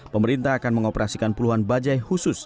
pemerintah akan mengoperasikan puluhan bajai khusus